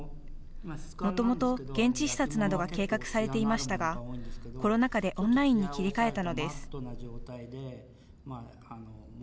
もともと、現地視察などが計画されていましたがコロナ禍でオンラインに切り替えたのです。